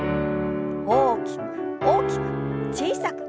大きく大きく小さく。